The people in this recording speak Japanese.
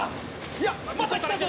いやまた来たぞ！